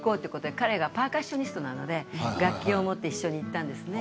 彼がパーカッショニストなので楽器を持って一緒に行ったんですね。